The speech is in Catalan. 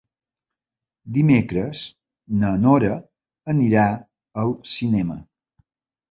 Dimecres na Nora anirà al cinema.